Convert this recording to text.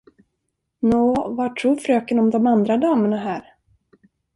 Nå, vad tror fröken om de andra damerna här?